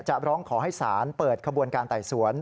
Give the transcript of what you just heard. ร้องขอให้ศาลเปิดขบวนการไต่สวน